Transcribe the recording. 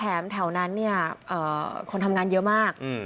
แถวนั้นเนี่ยคนทำงานเยอะมาก